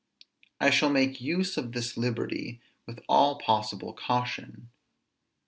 I shall make use of this liberty with all possible caution.